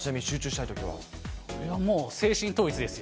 いやもう、精神統一ですよ。